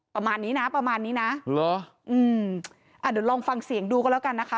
ประมาณนี้นะประมาณนี้นะเหรออืมอ่าเดี๋ยวลองฟังเสียงดูก็แล้วกันนะคะ